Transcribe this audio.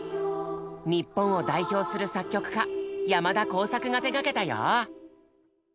日本を代表する作曲家山田耕筰が手がけたよ。